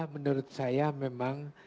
menurut saya memang